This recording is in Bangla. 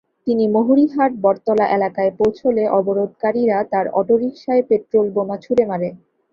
তিনি মহুরিহাট বটতল এলাকায় পৌঁছলে অবরোধকারীরা তাঁর অটোরিকশায় পেট্রলবোমা ছুড়ে মারে।